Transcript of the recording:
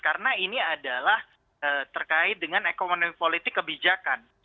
karena ini adalah terkait dengan ekonomi politik kebijakan